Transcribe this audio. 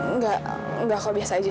enggak enggak kok biasa aja